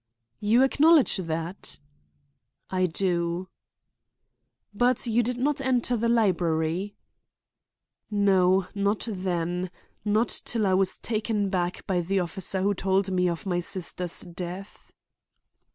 "You acknowledge that?" "I do." "But you did not enter the library?" "No, not then; not till I was taken back by the officer who told me of my sister's death."